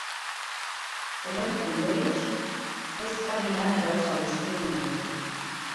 Horren ondorioz, ez jarri lana gauza guztien gainetik.